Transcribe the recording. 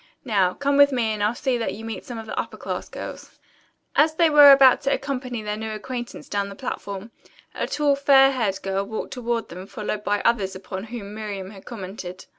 Now, come with me and I'll see that you meet some of the upper class girls." As they were about to accompany their new acquaintance down the platform, a tall, fair haired girl walked toward them followed by the others upon whom Miriam had commented.